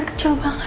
aku jadi juga pas